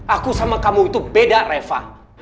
aku sama kamu itu beda reva